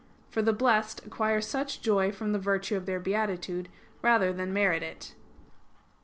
For the Blessed acquire such joy from the virtue of their beatitude, rather than merit it.